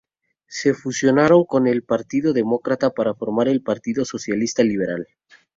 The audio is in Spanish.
Se fusionaron con el Partido Demócrata para formar el Partido Socialista Liberal.